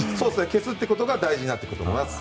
消すってことが大事になってくると思います。